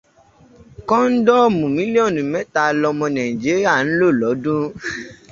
Kọ́ńdọ́mù mílíọ̀nù mẹ́ta lọmọ Nàìjíríà ń lò lọ́dún.